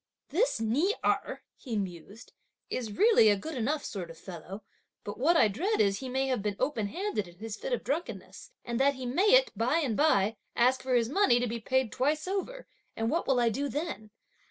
"This Ni Erh," he mused, "is really a good enough sort of fellow, but what I dread is that he may have been open handed in his fit of drunkenness, and that he mayn't, by and by, ask for his money to be paid twice over; and what will I do then?